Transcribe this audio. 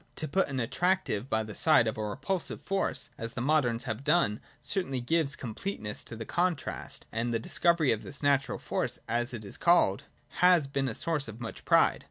— To put an attractive by the side of a repulsive force, as the moderns have done, certainly gives completeness to the contrast : and the discovery of this natural force, as it is called, has been a source of much pride.